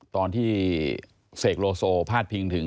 ตอนที่เสกโลโซพาดพิงถึง